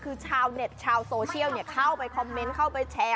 คือชาวเน็ตชาวโซเชียลเข้าไปคอมเมนต์เข้าไปแชร์